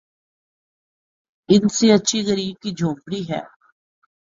ان سے اچھی غریبِ کی جھونپڑی ہے